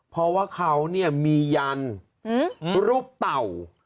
เพราะว่าเขาเนี่ยมียันรูปเต่า